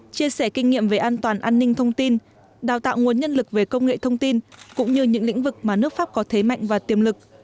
chia sẻ kinh nghiệm về an toàn an ninh thông tin đào tạo nguồn nhân lực về công nghệ thông tin cũng như những lĩnh vực mà nước pháp có thế mạnh và tiềm lực